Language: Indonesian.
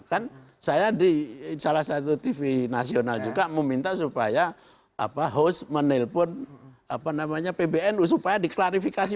kan saya di salah satu tv nasional juga meminta supaya host menelpon pbnu supaya diklarifikasi